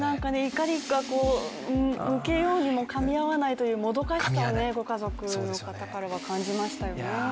怒りが受けようにも、かみ合わないというもどかしさをご家族の方からは感じましたよね。